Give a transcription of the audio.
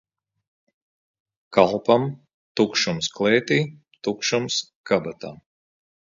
Kalpam tukšums klētī, tukšums kabatā.